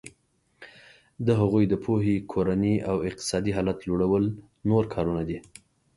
د هغوی د پوهې کورني او اقتصادي حالت لوړول نور کارونه دي.